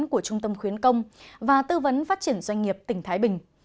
của trung tâm khuyến công và tư vấn phát triển doanh nghiệp tỉnh thái bình